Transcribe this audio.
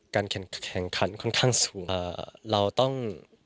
การแข่งขันค่อนข้างสูง